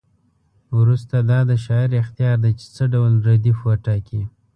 وروسته دا د شاعر اختیار دی چې څه ډول ردیف وټاکي.